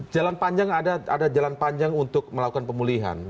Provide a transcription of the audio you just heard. jalan panjang ada jalan panjang untuk melakukan pemulihan